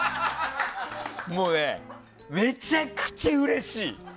もうねめちゃくちゃうれいしい！